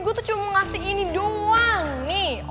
gue tuh cuma ngasih ini doang nih